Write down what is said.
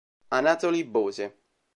Anatoly Bose